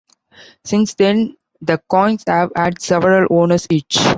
Since then, the coins have had several owners each.